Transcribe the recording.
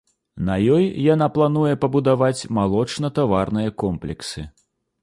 На ёй яна плануе пабудаваць малочна-таварныя комплексы.